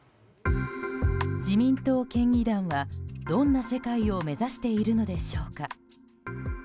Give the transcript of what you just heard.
自民党県議団は、どんな世界を目指しているのでしょうか。